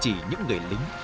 chỉ những người lính